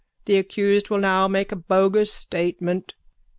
The accused will now make a bogus statement.